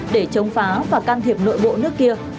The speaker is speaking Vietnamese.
để chống phá và can thiệp nội bộ nước kia